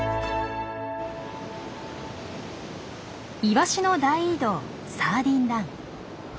イワシの大移動サーディン・ラン。